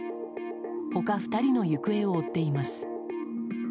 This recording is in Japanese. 他２人の行方を追っています。